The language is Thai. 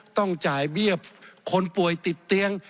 ต้องจ่ายเบี้ยคนป่วยติดเตียง